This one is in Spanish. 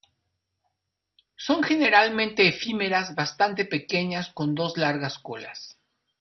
Son generalmente efímeras bastante pequeñas con dos largas colas.